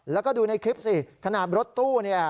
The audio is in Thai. แล้วก็ดูในคลิปสิขนาดรถตู้เนี่ย